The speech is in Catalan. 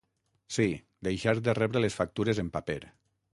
Sí, deixar de rebre les factures en paper.